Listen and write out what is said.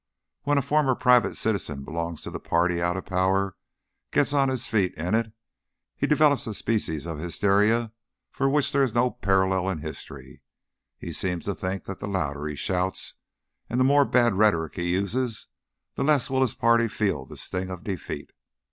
When a former private citizen belonging to the party out of power gets on his feet in it, he develops a species of hysteria for which there is no parallel in history. He seems to think that the louder he shouts and the more bad rhetoric he uses, the less will his party feel the stings of defeat.